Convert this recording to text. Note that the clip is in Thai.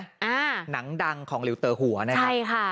หนังดังของลิวเตอร์หัวนะครับใช่ค่ะ